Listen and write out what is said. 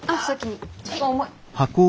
ちょっと重い。